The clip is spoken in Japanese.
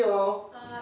はい。